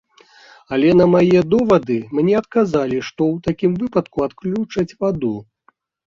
Але на мае довады мне адказалі, што у такім выпадку адключаць ваду.